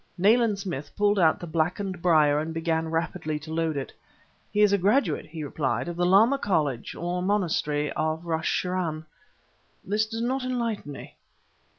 Nayland Smith pulled out the blackened briar and began rapidly to load it. "He is a graduate," he replied, "of the Lama College, or monastery, of Rache Churân. "This does not enlighten me."